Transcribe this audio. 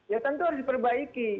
ya tentu harus diperbaiki